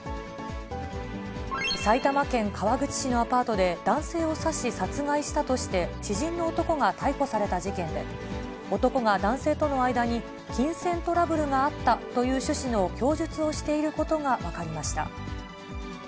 埼玉県川口市のアパートで、男性を刺し殺害したとして、知人の男が逮捕された事件で、男が男性との間に金銭トラブルがあったという趣旨の供述をしていることが分かりました。